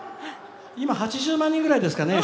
今、８０万人ぐらいですかね。